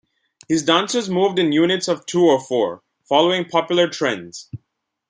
His dancers moved in units of two or four, following popular trends.